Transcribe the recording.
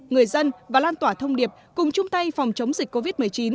người dân và lan tỏa thông điệp cùng chung tay phòng chống dịch covid một mươi chín